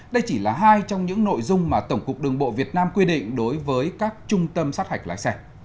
đây chỉ là hai trong những nội dung mà tổng cục đường bộ việt nam quy định đối với các trung tâm sát hạch lái xe